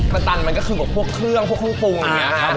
ตันตันมันก็คือพวกเครื่องพวกคุ้งฟุงอย่างเนี่ย